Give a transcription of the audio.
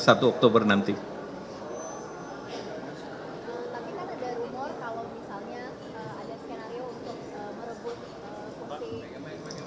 tapi kan ada rumor kalau misalnya ada skenario untuk merebut